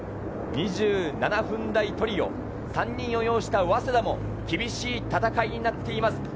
２７分台トリオ３人を擁した早稲田も厳しい戦いになっています。